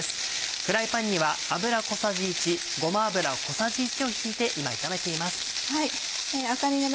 フライパンには油小さじ１ごま油小さじ１を引いて今炒めています。